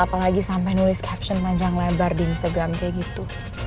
apalagi sampai nulis caption panjang lebar di instagram kayak gitu